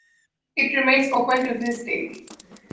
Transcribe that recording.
It remains open to this day.